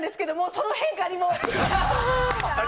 その変化にもう。